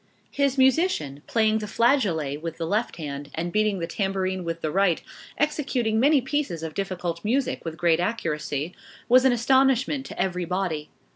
His musician, playing the flageolet with the left hand, and beating the tambourine with the right, executing many pieces of difficult music with great accuracy, was an astonishment to every body.